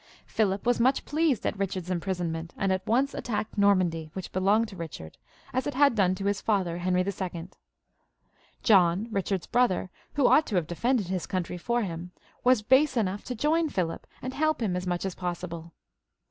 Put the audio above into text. Philip was much pleased at Bichard's imprisonment, and at once attacked Normandy, which belonged to Eichard, as it had done to his father Henry II. John, Eichard's brother, who ought to have defended his country for him, was base enough to join Philip and help him as much as possible.